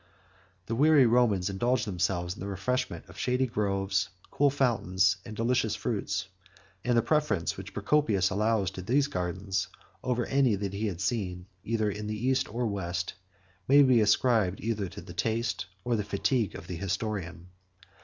The weary Romans indulged themselves in the refreshment of shady groves, cool fountains, and delicious fruits; and the preference which Procopius allows to these gardens over any that he had seen, either in the East or West, may be ascribed either to the taste, or the fatigue, of the historian.